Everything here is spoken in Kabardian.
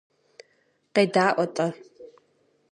КъедаӀуэ-тӀэ.